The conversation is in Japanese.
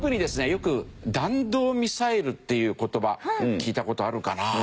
よく弾道ミサイルっていう言葉聞いた事あるかな？